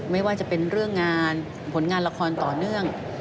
ไม่ว่าจะเป็นเรื่องงานผลงานละครต่อเนื่อง